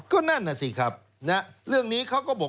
ก็นั่นน่ะสิครับเรื่องนี้เขาก็บอก